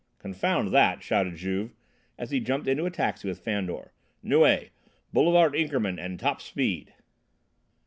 "Confound that!" shouted Juve, as he jumped into a taxi with Fandor. "Neuilly! Boulevard Inkermann, and top speed!"